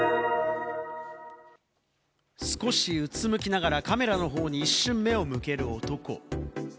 少しうつむきながら、カメラの方に一瞬目を向ける男。